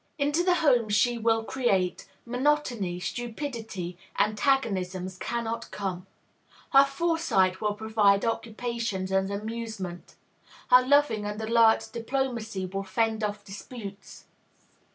Into the home she will create, monotony, stupidity, antagonisms cannot come. Her foresight will provide occupations and amusements; her loving and alert diplomacy will fend off disputes.